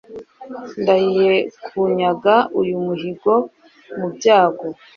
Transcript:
Ndahiriye kunyaga uyu muhigo mu byago